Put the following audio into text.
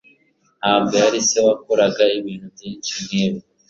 ntabwo yari se wakoraga ibintu byinshi nkibi